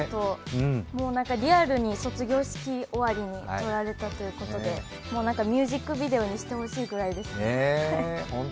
もうなんかリアルに卒業式終わりに撮られたということでミュージックビデオにしてほしいぐらいですね。